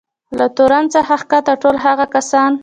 له تورن څخه کښته ټول هغه کسان.